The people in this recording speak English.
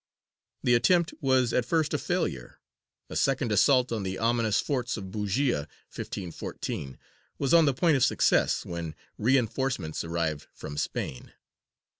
The attempt was at first a failure; a second assault on the ominous forts of Bujēya (1514) was on the point of success, when reinforcements arrived from Spain.